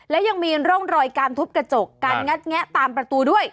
และยังมีร่องรอยการทุบกระจกการงัดแงะตามประตูด้วย